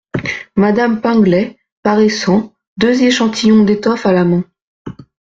Madame Pinglet , paraissant, deux échantillons d’étoffes à la main.